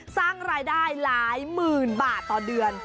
สร้างรายได้หลายหมื่นบาทต่อเดือน